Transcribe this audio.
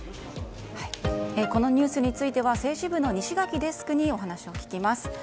このニュースについては政治部の西垣デスクにお話を聞きます。